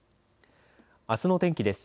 あすの天気です。